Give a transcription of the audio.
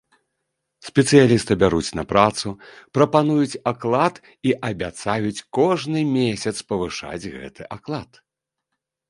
Спецыяліста бяруць на працу, прапануюць аклад і абяцаюць кожны месяц павышаць гэты аклад.